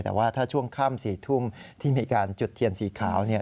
แต่ว่าถ้าช่วงค่ำ๔ทุ่มที่มีการจุดเทียนสีขาว